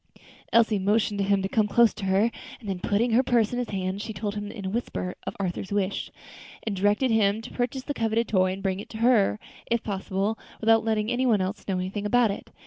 Elsie motioned to him to come close to her, and then putting her purse into his hands, she told him in a whisper of Arthur's wish, and directed him to purchase the coveted toy, and bring it to her, if possible, without letting any one else know anything about it.